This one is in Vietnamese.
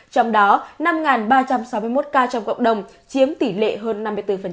trong đó năm ba trăm sáu mươi một ca trong cộng đồng chiếm tỷ lệ hơn năm mươi bốn